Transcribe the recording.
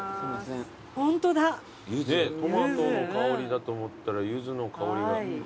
トマトの香りだと思ったらユズの香りが。